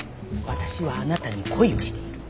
私はあなたに恋をしている。